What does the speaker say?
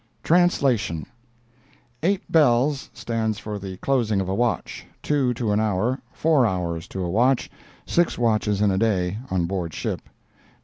TRANSLATION "Eight bells" stands for the closing of a watch—two to an hour, four hours to a watch, six watches in a day—on board ship.